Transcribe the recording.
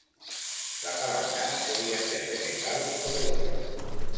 La palangana podía ser de metal o de loza.